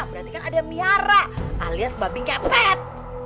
berarti kan ada miara alias babi ngepet